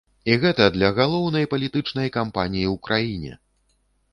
І гэта для галоўнай палітычнай кампаніі ў краіне!